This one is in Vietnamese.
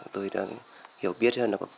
tôi đã hiểu biết hơn là có quyền lợi